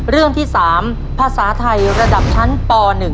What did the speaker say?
เรื่องที่๓ภาษาไทยระดับชั้นป๑